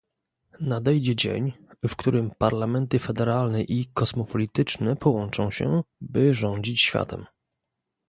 Nadejdzie dzień, w którym parlamenty federalne i kosmopolityczne połączą się, by rządzić światem